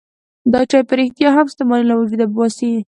دا چای په رښتیا هم ستوماني له وجوده وباسي.